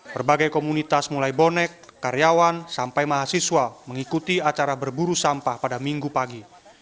berbagai komunitas mulai bonek karyawan sampai mahasiswa mengikuti acara berburu sampah pada minggu pagi